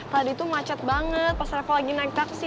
tadi tuh macet banget pas reva lagi naik taksi